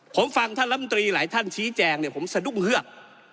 ผมฟังท่านลำตรีหลายท่านชี้แจงเนี่ยผมสะดุ้งเฮือก